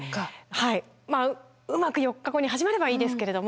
まあうまく４日後に始まればいいですけれども。